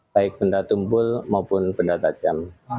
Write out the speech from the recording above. baik benda tumpul maupun benda tajam